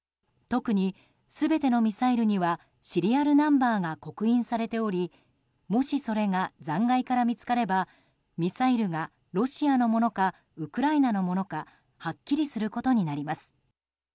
特に全てのミサイルにはシリアルナンバーが刻印されておりもしそれが残骸から見つかればミサイルがロシアのものかウクライナのものかはっきりすることになります。